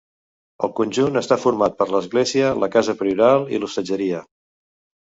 El conjunt està format per l'església, la casa prioral i l'hostatgeria.